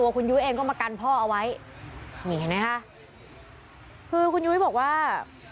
ก็มากันพ่อเอาไว้นี่เห็นไหมคะคือคุณยุ้ยบอกว่า